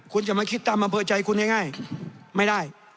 คุณจะมาคิดตามอำเภอใจคุณง่ายไม่ได้